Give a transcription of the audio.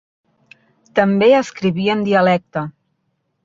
També escrivia en dialecte.